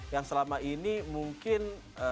yang selama ini mungkin